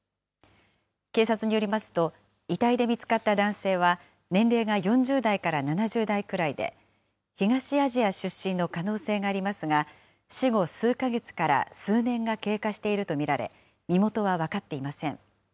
警察によりますと、遺体で見つかった男性は、年齢が４０代から７０代くらいで、東アジア出身の可能性がありますが、死後数か月から数年が経過していると見られ、身元は分かっていません。